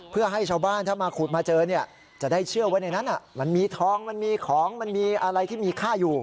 เพื่อให้ชาวบ้านถ้ามาขุดมาเจอเนี่ยจะได้เชื่อว่าในนั้นมันมีทองมันมีของมันมีอะไรที่มีค่าอยู่